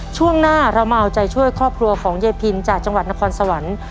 ช่วงหน้าเรามาเอาใจช่วยครอบครัวของยายพินจากจังหวัดนครสวรรค์